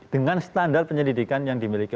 dengan standar penyelidikan yang dimiliki